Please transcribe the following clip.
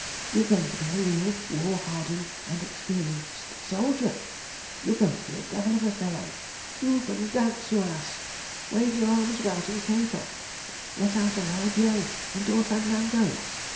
You are going to be a real war hardened and experienced soldier! ... You are going to be a devil of a fellow! ... Whoop and dance, you Ass! ... Wave your arms about, and caper! ... Let out a loud yell, and do a fandango!